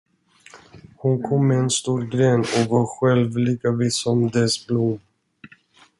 Hon kom med en stor gren och var själv lika vit som dess blom.